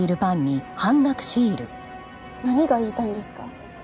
何が言いたいんですか？